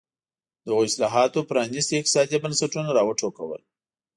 دغو اصلاحاتو پرانېستي اقتصادي بنسټونه را وټوکول.